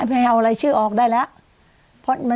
ไม่เอารายชื่อออกได้แล้ว